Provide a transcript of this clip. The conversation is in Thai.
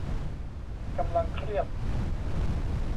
กำลังเครียด